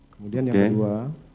kemudian yang kedua